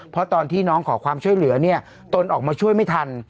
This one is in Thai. เพราะตอนที่น้องขอความช่วยเหลือเนี่ยตนออกมาช่วยไม่ทัน